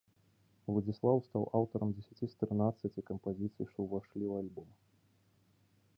Уладзіслаў стаў аўтарам дзесяці з трынаццаці кампазіцый, што ўвайшлі ў альбом.